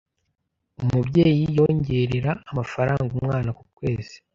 Umubyeyi yongerera amafaranga umwana kukwezi